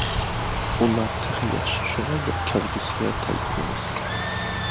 ئۇلار تېخى ياش، شۇڭا بىر كەلگۈسىگە تەلپۈنىمىز.